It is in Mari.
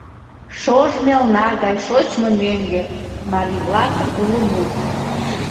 Шож мелна гай — шочмо мӧҥгӧ — марий-влакын уло мут.